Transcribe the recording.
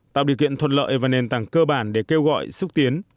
tạo điều kiện thuận lợi và nền tảng cơ bản để kêu gọi xúc tiến